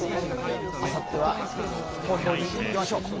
あさっては投票に行きましょう。